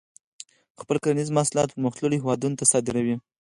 خپل کرنیز محصولات پرمختللو هیوادونو ته صادروي.